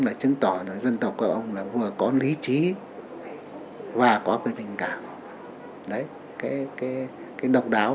là chứng tỏ cho dân tộc của ông là vừa có lý trí và có sự tình cảm rồi đấy cái kia cái độc đáo